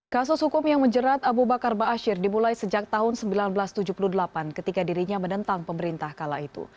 kasus hukum yang menjerat abu bakar ⁇ asyir ⁇ dimulai sejak tahun seribu sembilan ratus tujuh puluh delapan ketika dirinya menentang pemerintah kala itu